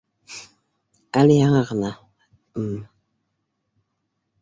Әле яңы ғына м